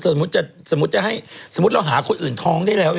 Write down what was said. สมมุติเราหาคนอื่นท้องได้แล้ว